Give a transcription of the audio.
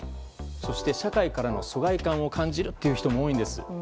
そして社会からの疎外感を感じるという人も多いんです。